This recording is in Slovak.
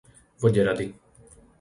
Voderady